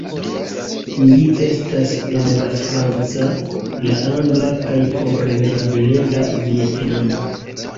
Ili estas en la franca, la angla kaj kompreneble la vjetnama